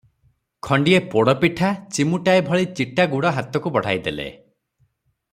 ଖଣ୍ଡିଏ ପୋଡ଼ପିଠା, ଚିମୁଟାଏ ଭଳି ଚିଟା ଗୁଡ଼ ହାତକୁ ବଢ଼ାଇ ଦେଲେ ।